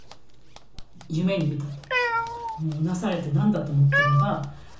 夢に見たと。